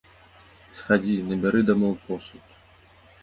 Схадзі, набяры дамоў посуд.